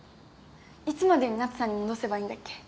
いつまでにナツさんに戻せばいいんだっけ？